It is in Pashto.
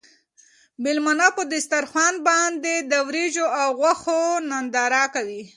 مېلمانه په دسترخوان باندې د وریجو او غوښو ننداره کوي.